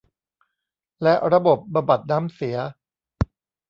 และระบบบำบัดน้ำเสีย